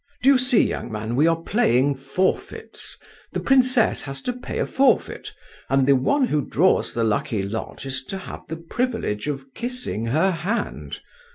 Do you see, young man, we are playing forfeits? the princess has to pay a forfeit, and the one who draws the lucky lot is to have the privilege of kissing her hand.